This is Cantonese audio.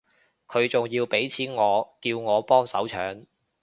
佢仲要畀錢我叫我幫手搶